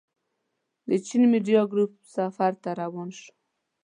د چين ميډيا ګروپ سفر ته روان شوو.